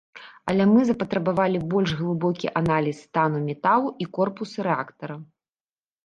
Але мы запатрабавалі больш глыбокі аналіз стану металу і корпусу рэактара.